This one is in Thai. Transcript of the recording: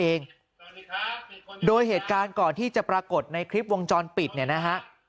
เองโดยเหตุการณ์ก่อนที่จะปรากฏในคลิปวงจรปิดเนี่ยนะฮะ